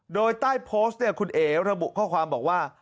โดยใต้โพสต์เนี่ยคุณเอ๋ระบุข้อความบอกว่า